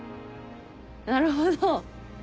なるほど。